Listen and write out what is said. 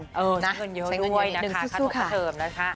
ใช้เงินเยอะด้วยนะคะขนมกระเทิมนะคะ